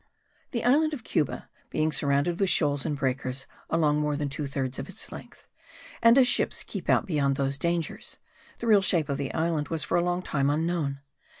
The island of Cuba being surrounded with shoals and breakers along more than two thirds of its length, and as ships keep out beyond those dangers, the real shape of the island was for a long time unknown.